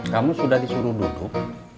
kamu sudah disuruh duduk